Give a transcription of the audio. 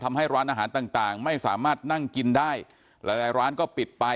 ทำให้ร้านอาหารต่างต่างไม่สามารถนั่งกินได้หลายหลายร้านก็ปิดไป